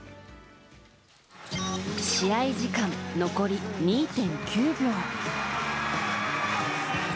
試合時間残り２．９秒。